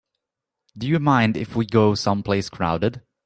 Do you mind if we go someplace crowded?